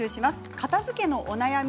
片づけのお悩み